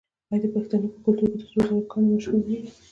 آیا د پښتنو په کلتور کې د سرو زرو ګاڼې مشهورې نه دي؟